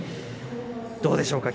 どうでしょうか？